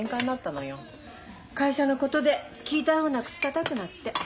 会社のことできいたふうな口たたくなって。